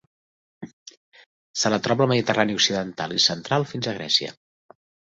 Se la troba al mediterrani occidental i central fins a Grècia.